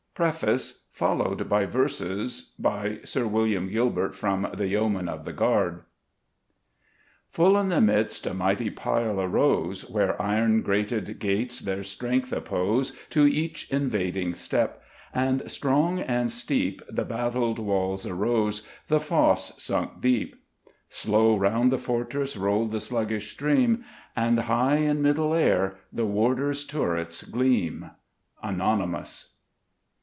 & C. BLACK · LONDON · MCMVIII TO MY FATHER Thomas Cooper Poyser THIS BOOK IS DEDICATED Full in the midst a mighty pile arose, Where iron grated gates their strength oppose To each invading step, and, strong and steep, The battled walls arose, the fosse sunk deep. Slow round the fortress rolled the sluggish stream, And high in middle air the warder's turrets gleam. _Anonymous.